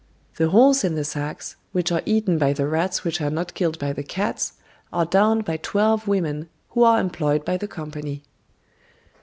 "The holes in the sacks, which are eaten by the rats which are not killed by the cats, are darned by twelve women, who are employed by the company."